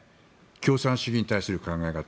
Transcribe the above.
共産主義に対する考え方